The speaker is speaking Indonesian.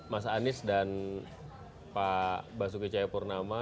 mas anies dan pak basuki cahayapurnama